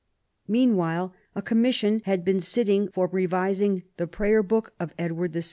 Meanwhile a Commission had been sitting for revising the Prayer Book of Edward VI.